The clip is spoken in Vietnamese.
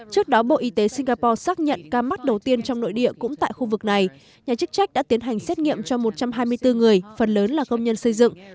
trước đó bộ y tế singapore xác nhận ca mắc đầu tiên trong nội địa cũng tại khu vực này nhà chức trách đã tiến hành xét nghiệm cho một trăm hai mươi bốn người phần lớn là công nhân xây dựng